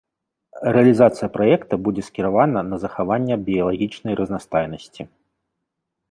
Рэалізацыя праекта будзе скіравана на захаванне біялагічнай разнастайнасці.